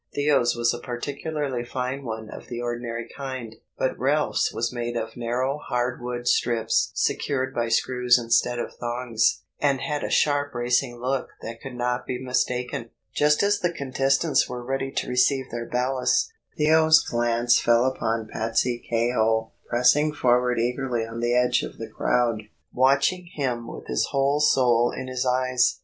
Theo's was a particularly fine one of the ordinary kind, but Ralph's was made of narrow hard wood strips secured by screws instead of thongs, and had a sharp racing look that could not be mistaken. Just as the contestants were ready to receive their ballast, Theo's glance fell upon Patsey Kehoe pressing forward eagerly on the edge of the crowd, watching him with his whole soul in his eyes.